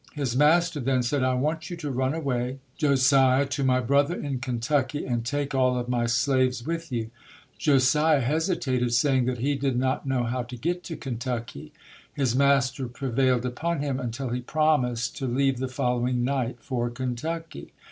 His master then said, "I want you to run away, Josiah, to my brother in Kentucky, and take all of my slaves with you". Josiah hesitated, saying that he did not know how to get to Kentucky. His master prevailed upon him until he promised to leave the following night for Kentucky.